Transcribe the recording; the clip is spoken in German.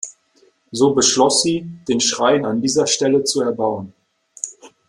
So beschloss sie, den Schrein an dieser Stelle zu erbauen.